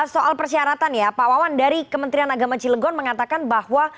soal persyaratan ya pak wawan dari kementerian agama cilegon mengatakan bahwa